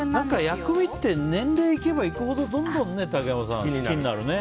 薬味って年齢いけばいくほどどんどん好きになるね。